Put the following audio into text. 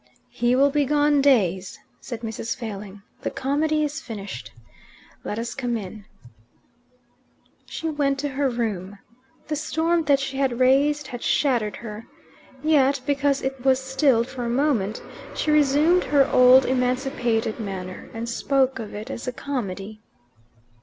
"He will be gone days," said Mrs. Failing. "The comedy is finished. Let us come in." She went to her room. The storm that she had raised had shattered her. Yet, because it was stilled for a moment, she resumed her old emancipated manner, and spoke of it as a comedy.